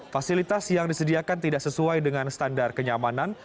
fasilitas yang disediakan tidak sesuai dengan standar kenyamanan